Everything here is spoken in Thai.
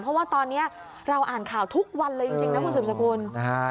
เพราะว่าตอนนี้เราอ่านข่าวทุกวันเลยจริงนะคุณสืบสกุล